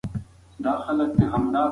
دا کیسه به زه خپلو ملګرو ته کوم.